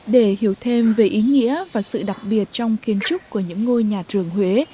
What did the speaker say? để hiểu thêm về ý nghĩa và sự đặc biệt trong kiến trúc của những ngôi nhà rường huế